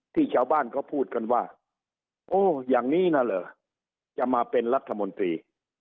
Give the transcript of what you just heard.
ที่ชาวบ้านเขาพูดกันว่าโอ้อย่างนี้น่ะเหรอจะมาเป็นรัฐมนตรี